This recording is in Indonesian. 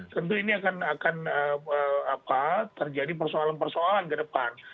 tentu ini akan terjadi persoalan persoalan ke depan